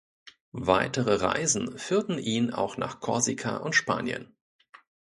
Weitere Reisen führten ihn auch nach Korsika und Spanien.